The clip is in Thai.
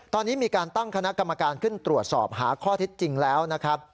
ตอนนี้มีการตั้งคณะกรรมการขึ้นตรวจสอบหาข้อเท็จจริงแล้วนะครับ